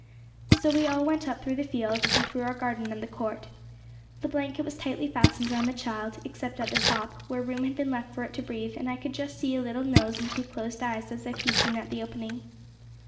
So we all went up through the field, and through our garden and the court. The blanket was tightly fastened round the child, except at the top, where room had been left for it to breathe, and I could just see a little nose and two closed eyes, as I peeped in at the opening.